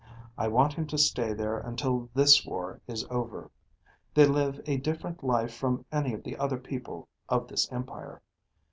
I want him to stay there until this war is over. They live a different life from any of the other people of this empire.